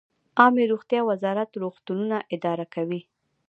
عامې روغتیا وزارت روغتونونه اداره کوي